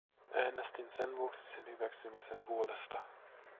Äänestin sen vuoksi sen hyväksymisen puolesta.